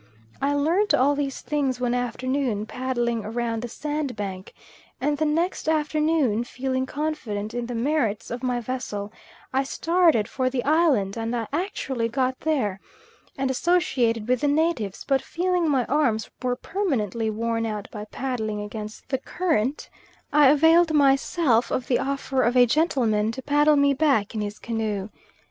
I learnt all these things one afternoon, paddling round the sandbank; and the next afternoon, feeling confident in the merits of my vessel, I started for the island, and I actually got there, and associated with the natives, but feeling my arms were permanently worn out by paddling against the current, I availed myself of the offer of a gentleman to paddle me back in his canoe.